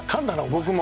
僕も。